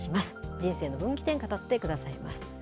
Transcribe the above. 人生の分岐点、語ってくださいます。